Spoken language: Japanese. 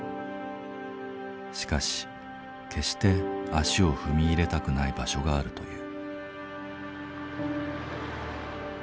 しかし決して足を踏み入れたくない場所があるという。